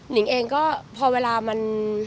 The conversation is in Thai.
นิงเองก็พอเวลามัน